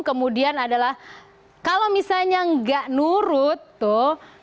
kemudian adalah kalau misalnya nggak nurut tuh